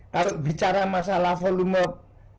kalau bicara masalah volume